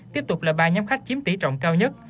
tiếp tục là ba nhóm khách chiếm tỷ trọng cao nhất